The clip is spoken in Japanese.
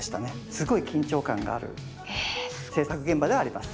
すごい緊張感がある制作現場ではあります。